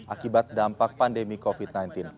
akibat dampak pandemi covid sembilan belas